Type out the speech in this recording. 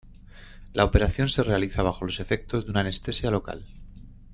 La operación se realiza bajo los efectos de una anestesia local.